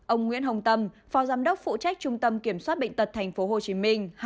ông nguyễn hồng tâm phò giám đốc phụ trách trung tâm kiểm soát bệnh tật thành phố hồ chí minh